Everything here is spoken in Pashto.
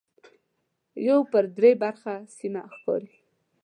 یو پر درې برخه سیمه ښکاري.